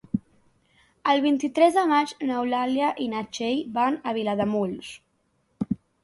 El vint-i-tres de maig n'Eulàlia i na Txell van a Vilademuls.